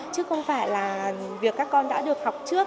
chứ không phải là việc các con đã được học trước